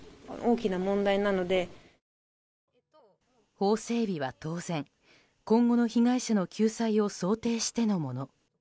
法整備は当然今後の被害者の救済を想定してのもの。